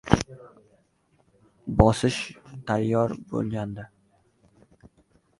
• Hasadchi baxtsiz bo‘lib qoladi.